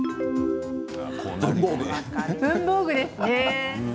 文房具ですね。